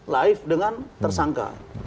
live dengan tersangka